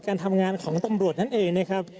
การทำงานของตำรวจนั่นเองนะครับ